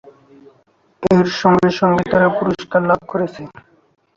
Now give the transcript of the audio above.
এর সঙ্গে সঙ্গে তারা পুরস্কার লাভ করেছে।